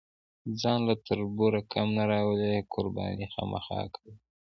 ځان له تربوره کم نه راولي، قرباني خامخا کوي.